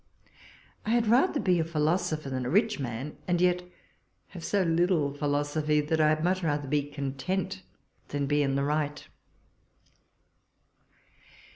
I had rather be a philosopher than a rich man ; and yet have so little philosophy, that I had much rather be content than be in the right.